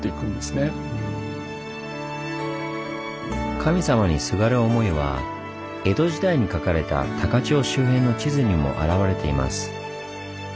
神様にすがる思いは江戸時代に描かれた高千穂周辺の地図にも表れています。